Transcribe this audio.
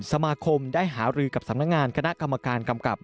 สมาคมได้หารือกับสำนักงานคณะกรรมการกำกับ